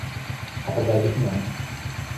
A verdade é que não.